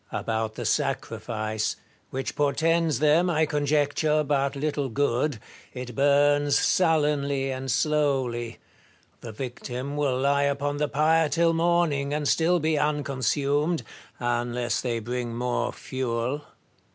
About the sacrifice, which portends them, I conjecture, but little good, — it burns sullenly and slowly. The victim will lie upon the pyre till morning, and still be unconsumed, unless they bring more fuel.